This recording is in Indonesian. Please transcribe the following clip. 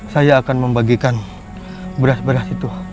saya akan membagikan beras beras itu